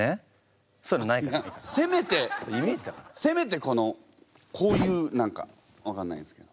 せめてせめてこのこういう何か分かんないんですけど。